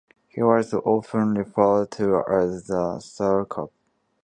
He was often referred to as the "starcop".